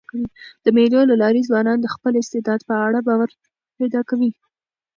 د مېلو له لاري ځوانان د خپل استعداد په اړه باور پیدا کوي.